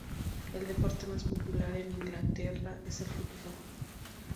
El deporte más popular en Inglaterra es el fútbol.